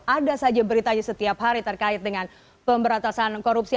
ada saja beritanya setiap hari terkait dengan pemberantasan korupsi